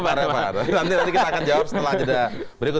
nanti kita akan jawab setelah berikut